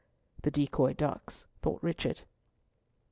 "The decoy ducks," thought Richard.